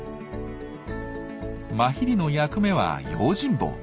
マヒリの役目は用心棒。